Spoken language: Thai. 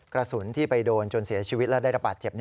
กระสุนที่ไปโดนจนเสียชีวิตและได้รับบาดเจ็บ